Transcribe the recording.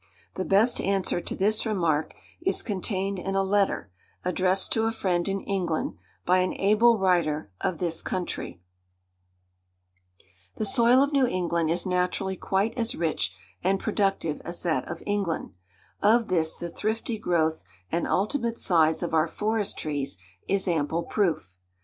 The best answer to this remark is contained in a letter, addressed to a friend in England, by an able writer of this country:— "The soil of New England is naturally quite as rich and productive as that of England: of this the thrifty growth and ultimate size of our forest trees is ample proof.